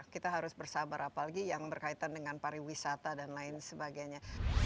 kita harus bersabar apalagi yang berkaitan dengan pariwisata dan lain sebagainya